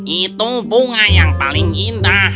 itu bunga yang paling indah